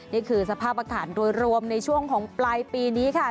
นี่คือสภาพอากาศโดยรวมในช่วงของปลายปีนี้ค่ะ